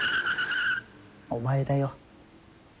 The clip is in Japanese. お前だよ。